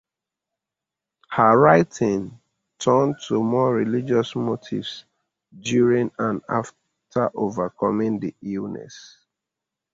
Her writing turned to more religious motifs during and after overcoming the illness.